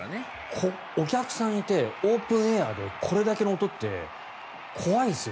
お客さんがいてオープンエアでこれだけの音って怖いですよ